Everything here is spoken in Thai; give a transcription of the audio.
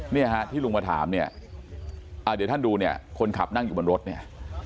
เนี่ยฮะที่ลุงมาถามเนี่ยเดี๋ยวท่านดูเนี่ยคนขับนั่งอยู่บนรถเนี่ย